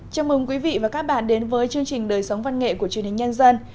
chào mừng quý vị và các bạn đến với chương trình đời sống văn nghệ của truyền hình nhân dân